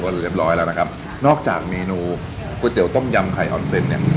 เรียบร้อยแล้วนะครับนอกจากเมนูก๋วยเตี๋ยต้มยำไข่ออนเซ็นเนี่ย